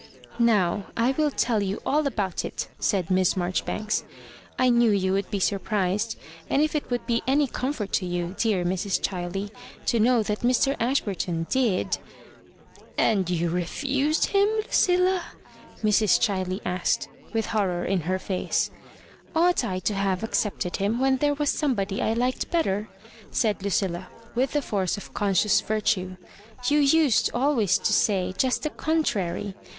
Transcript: "Now, I will tell you all about it,'' said Miss Marjoribanks. ''I knew you would be sur prised ; and if it would be any comfort to you, dear Mrs. Ghiley, to know that Mr. Ashburton "And you refused him, Lucilla?" Mrs. Ghi ley aisked, with horror in her face, " Ought I to have accepted him when there was somebody I liked better?" said Ludlla, with the force of conscious virtue; "you used always to say just the contrary.